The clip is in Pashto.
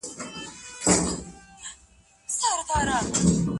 هغه څوک چي غچ اخلي نشه کیږي.